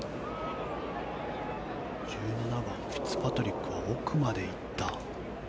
１７番フィッツパトリックは奥まで行った。